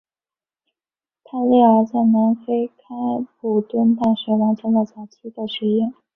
泰累尔在南非开普敦大学完成了早期的学业。